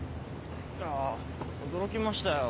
いやぁ驚きましたよ